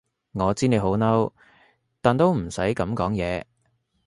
我知你好嬲，但都唔使噉講嘢